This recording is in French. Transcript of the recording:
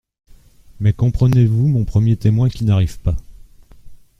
Mais comprenez-vous mon premier témoin qui n’arrive pas ?